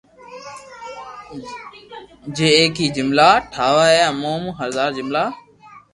جي ايڪ ھي جملا ٺاوا اي مون ٻو ھزار جملا